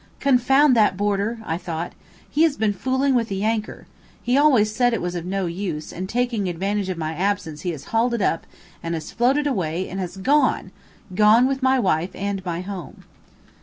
"Confound that boarder!" I thought. "He has been fooling with the anchor. He always said it was of no use, and taking advantage of my absence, he has hauled it up, and has floated away, and has gone gone with my wife and my home!"